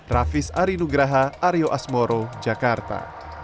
raffis arie nugraha aryo asmoro jakarta